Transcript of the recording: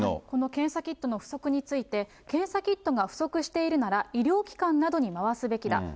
この検査キットの不足について、検査キットが不足しているなら、医療機関などに回すべきだ。